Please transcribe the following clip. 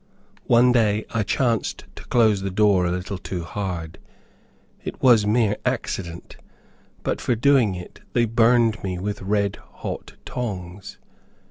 One day I chanced to close the door a little too hard. It was mere accident, but for doing it they burned me with red hot tongs.